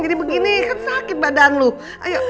jadi begini kan sakit badan lo